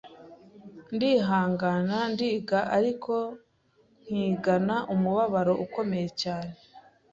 ndihangana ndiga ariko nkigana umubabaro ukomeye cyane,